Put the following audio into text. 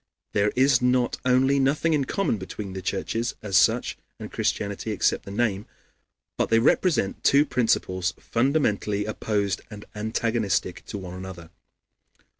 There is not only nothing in common between the churches as such and Christianity, except the name, but they represent two principles fundamentally opposed and antagonistic to one another.